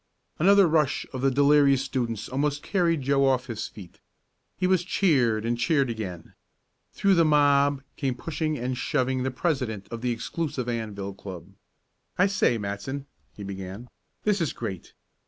Another rush of the delirious students almost carried Joe off his feet. He was cheered and cheered again. Through the mob came pushing and shoving the president of the exclusive Anvil Club. "I say, Matson," he began, "this is great!